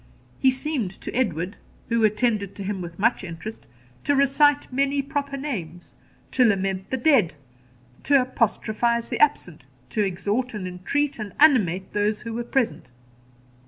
He seemed to Edward, who attended to him with much interest, to recite many proper names, to lament the dead, to apostrophise the absent, to exhort, and entreat, and animate those who were present.